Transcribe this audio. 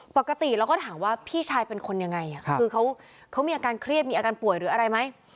ปกติเราก็ถามว่าพี่ชายเป็นคนยังไงคือเขามีอาการเครียดมีอาการป่วยหรืออะไรไหม